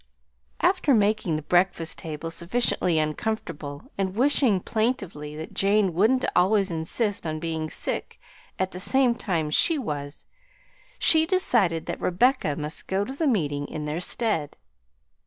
After making the breakfast table sufficiently uncomfortable and wishing plaintively that Jane wouldn't always insist on being sick at the same time she was, she decided that Rebecca must go to the meeting in their stead.